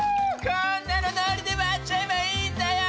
こんなのノリで割っちゃえばいいんだよ